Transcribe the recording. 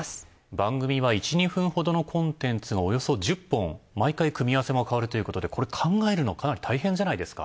番組は１２分ほどのコンテンツをおよそ１０本毎回組み合わせも変わるということでこれ考えるのかなり大変じゃないですか？